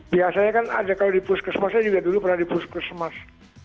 biasanya kan ada kalau di puskesmas saya juga dulu pernah di puskesmas